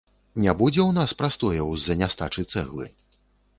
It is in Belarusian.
Не будзе ў нас прастояў з-за нястачы цэглы?